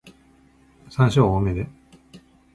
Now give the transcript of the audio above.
山椒多めで